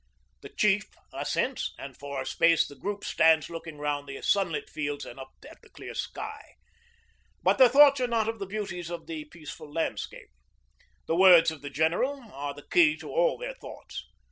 The Chief assents, and for a space the group stands looking round the sunlit fields and up at the clear sky. But their thoughts are not of the beauties of the peaceful landscape. The words of the General are the key to all their thoughts.